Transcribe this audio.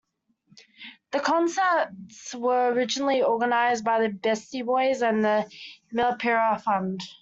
The concerts were originally organized by the Beastie Boys and the Milarepa Fund.